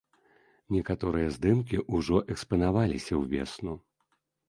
Некаторыя здымкі ўжо экспанаваліся ўвесну.